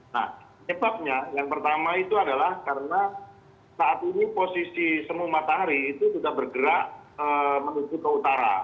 nah penyebabnya yang pertama itu adalah karena saat ini posisi semu matahari itu sudah bergerak menuju ke utara